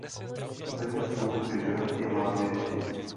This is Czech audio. Zdeněk Soukup je ženatý a má dvě děti.